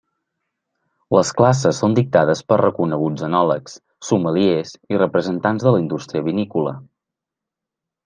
Les classes són dictades per reconeguts enòlegs, sommeliers i representants de la indústria vinícola.